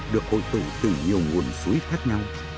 được hội tụ từ nhiều nguồn suối khác nhau